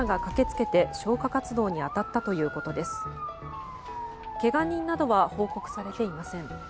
けが人などは報告されていません。